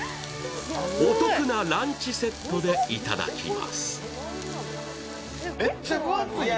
お得なランチセットでいただきます。